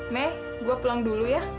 mei gue pulang dulu ya